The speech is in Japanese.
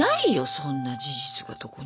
そんな事実がどこにも。